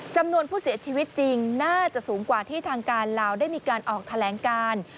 จำนวนผู้เสียชีวิตจริงน่าจะสูงกว่าที่ทางการลาวได้มีการออกแถลงการ